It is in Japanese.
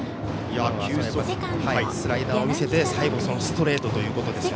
スライダーを見せて最後、ストレートということです。